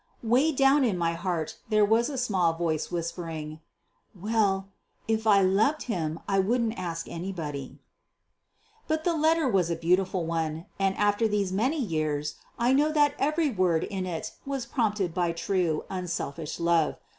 Way down in my heart there was a small voice whispering: "Well, if I loved him I wouldn't ask anybody." But the letter was a beautiful one, and after these many years I know that every word in it was prompted by true, unselfish love.